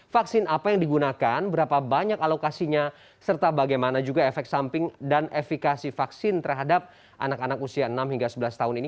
vaksin apa yang digunakan berapa banyak alokasinya serta bagaimana juga efek samping dan efikasi vaksin terhadap anak anak usia enam hingga sebelas tahun ini